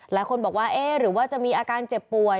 หลายคนบอกว่าเอ๊ะหรือว่าจะมีอาการเจ็บป่วย